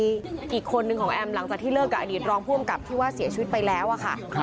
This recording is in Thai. อีกคนนึงของแอมหลังจากที่เลิกกับอดีตรองผู้อำกับที่ว่าเสียชีวิตไปแล้วอะค่ะ